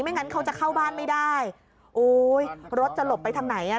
งั้นเขาจะเข้าบ้านไม่ได้โอ้ยรถจะหลบไปทางไหนอ่ะ